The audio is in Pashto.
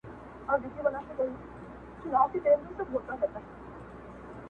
پښېمانه يم په تا باندي باور نه دی په کار~